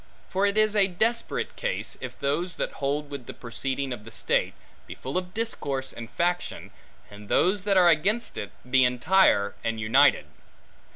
For it is a desperate case, if those that hold with the proceeding of the state, be full of discord and faction, and those that are against it, be entire and united.